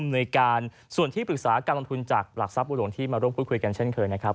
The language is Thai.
ในการส่วนที่ปรึกษาการลงทุนจากหลักทรัพย์บุหลวงที่มาร่วมพูดคุยกันเช่นเคยนะครับ